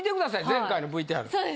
前回のＶＴＲ。